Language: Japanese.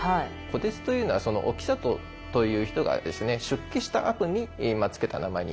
虎徹というのはその興里という人がですね出家したあとに付けた名前になるんです。